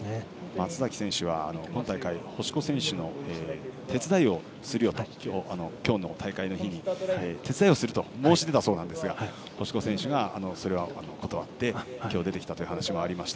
松崎選手は今大会星子選手に今日の大会の日に手伝いをすると申し出たそうですが星子選手がそれは断って今日出てきたという話がありました。